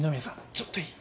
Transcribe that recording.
ちょっといい？